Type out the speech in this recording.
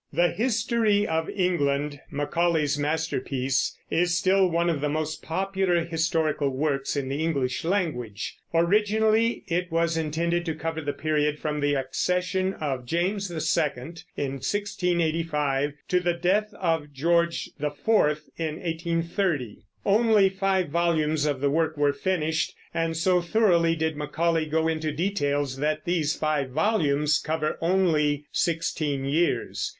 The History of England, Macaulay's masterpiece, is still one of the most popular historical works in the English language. Originally it was intended to cover the period from the accession of James II, in 1685, to the death of George IV, in 1830. Only five volumes of the work were finished, and so thoroughly did Macaulay go into details that these five volumes cover only sixteen years.